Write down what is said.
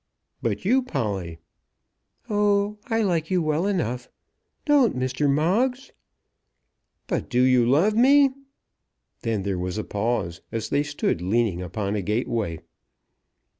"But you, Polly?" "Oh, I like you well enough. Don't, Mr. Moggs." "But do you love me?" Then there was a pause, as they stood leaning upon a gateway.